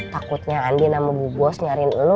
takutnya andi sama bu bos nyariin lo